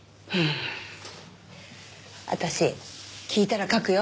私聞いたら書くよ。